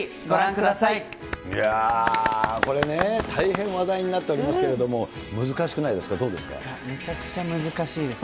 いやぁ、これね、大変話題になっておりますけれども、めちゃくちゃ難しいです。